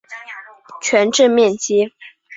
全镇面积。